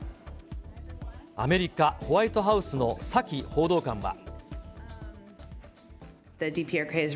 アメリカ、ホワイトハウスのサキ報道官は。